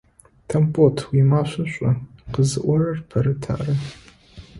Тамбот, уимафэ шӏу, къэзыӏорэр Пэрыт ары!